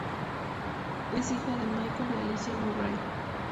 Es hijo de Michael y Alicia Murray.